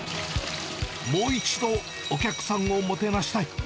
もう一度、お客さんをもてなしたい。